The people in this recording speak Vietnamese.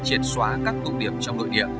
chiến xóa các công điểm trong nội địa